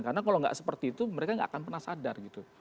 karena kalau nggak seperti itu mereka nggak akan pernah sadar gitu